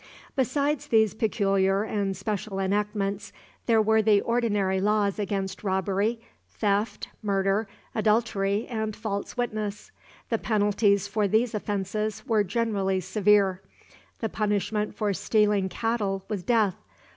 Besides these peculiar and special enactments, there were the ordinary laws against robbery, theft, murder, adultery, and false witness. The penalties for these offenses were generally severe. The punishment for stealing cattle was death.